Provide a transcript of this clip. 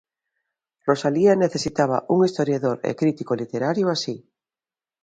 Rosalía necesitaba un historiador e crítico literario así.